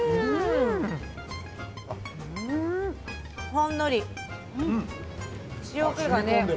ほんのり、塩けがね。